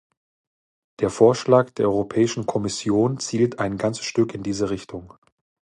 Der Vorschlag der Europäischen Kommission zielt ein ganzes Stück in diese Richtung.